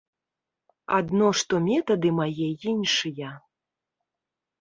Адно што метады мае іншыя.